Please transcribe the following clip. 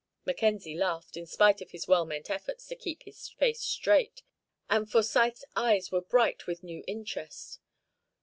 Mackenzie laughed, in spite of his well meant efforts to keep his face straight, and Forsyth's eyes were bright with new interest.